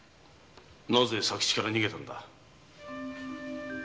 なぜ左吉から逃げたんだ？